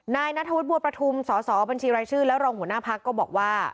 นายนัทธวุฒิบัวประทุมสสบัญชีรายชื่อและรองหัวหน้าพักก็บอกว่า